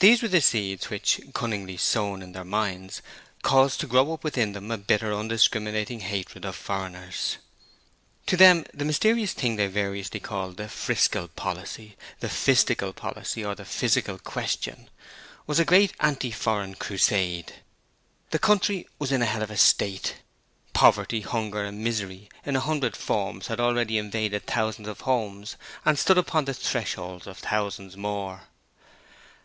These were the seeds which, cunningly sown in their minds, caused to grow up within them a bitter undiscriminating hatred of foreigners. To them the mysterious thing they variously called the 'Friscal Policy', the 'Fistical Policy', or the 'Fissical Question' was a great Anti Foreign Crusade. The country was in a hell of a state, poverty, hunger and misery in a hundred forms had already invaded thousands of homes and stood upon the thresholds of thousands more.